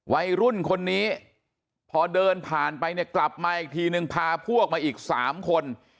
วัยรุ่นคนนี้พอเดินผ่านไปเนี่ยกลับมาอีกทีนึงพาพวกมาอีก๓คน